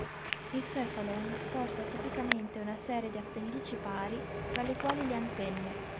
Il "cephalon" porta tipicamente una serie di appendici pari, tra le quali le antenne.